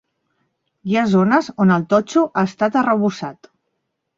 Hi ha zones on el totxo ha estat arrebossat.